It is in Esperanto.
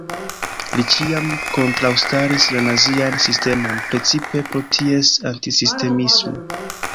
Li ĉiam kontraŭstaris la nazian sistemon, precipe pro ties antisemitismo.